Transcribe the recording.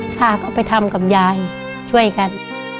ป้าก็ไปทำกับยายช่วยกัน